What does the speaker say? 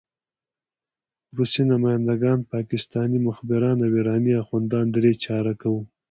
روسي نماینده ګان، پاکستاني مخبران او ایراني اخندان درې چارکه وو.